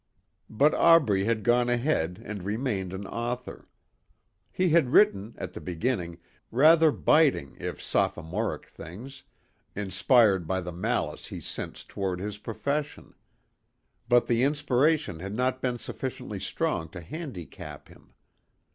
But Aubrey had gone ahead and remained an author. He had written, at the beginning, rather biting if sophomoric things, inspired by the malice he sensed toward his profession. But the inspiration had not been sufficiently strong to handicap him.